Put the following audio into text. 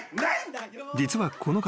［実はこの方］